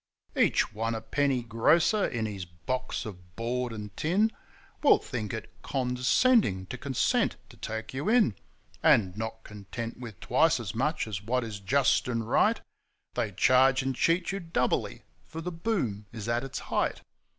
Each one a penny grocer, in his box of board and tin, Will think it condescending to consent to take you in; And not content with twice as much as what is just and right, They charge and cheat you doubly, for the Boom is at its height.